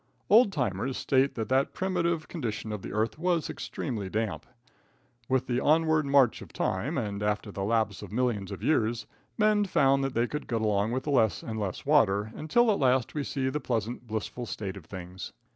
Old timers state that the primitive condition of the earth was extremely damp. With the onward march of time, and after the lapse of millions of years, men found that they could get along with less and less water, until at last we see the pleasant, blissful state of things.